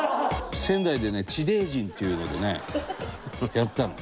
仙台でね、地デージンっていうのでね、やったの。